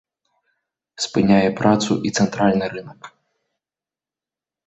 Спыняе працу і цэнтральны рынак.